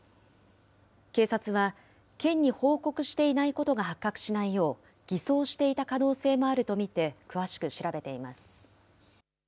警察は、県に報告していないことが発覚しないよう、偽装していた可能性もあると見て詳しく調べています。